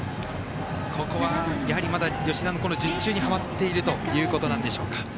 ここは吉田の術中にはまっているということなんでしょうか。